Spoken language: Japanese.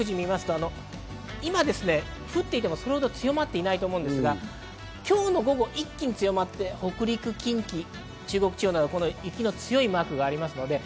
今、降っていてもそれほど強まっていないと思いますが、今日の午後、一気に強まって北陸、近畿、中国地方など雪の強いマークがあります。